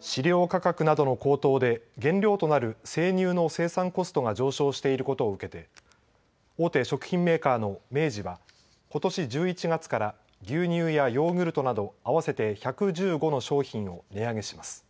飼料価格などの高騰で原料となる生乳の生産コストが上昇していることを受けて大手食品メーカーの明治はことし１１月から牛乳やヨーグルトなど合わせて１１５の商品を値上げします。